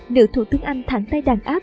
nữ thủ tướng anh thẳng tay đàn áp